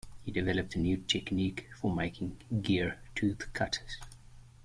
He developed a new technique for making gear-tooth cutters.